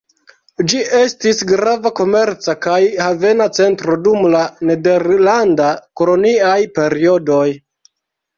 Ĝi estis grava komerca kaj havena centro dum la nederlanda koloniaj periodoj.